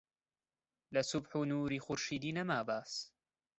لە سوبح و نووری خورشیدی نەما باس